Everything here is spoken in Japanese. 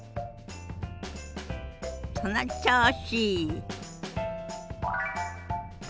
その調子。